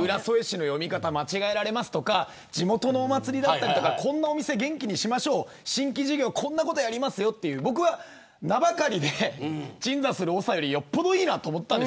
浦添市の読み方間違えられますとか地元のお祭りだったりとかこんなお店元気にしましょう新規事業こんなことやりますよと名ばかりで鎮座するおさよりよっぽどいいなと思ったんです。